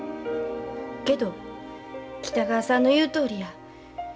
けど北川さんの言うとおりや。